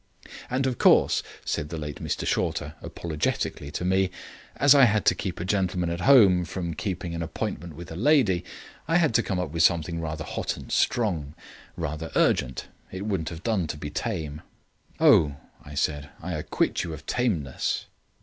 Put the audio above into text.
"And of course," said the late Mr Shorter apologetically to me, "as I had to keep a gentleman at home from keeping an appointment with a lady, I had to come with something rather hot and strong rather urgent. It wouldn't have done to be tame." "Oh," I said, "I acquit you of tameness."